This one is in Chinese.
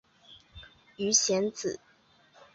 鱼显子